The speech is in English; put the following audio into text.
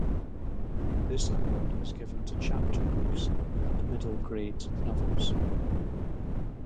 This award is given to chapter books and middle grade novels.